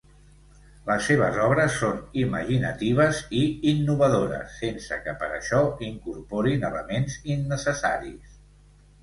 Les seves obres són imaginatives i innovadores, sense que per això incorporin elements innecessaris.